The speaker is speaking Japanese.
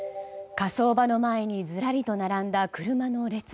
火葬場の前にずらりと並んだ車の列。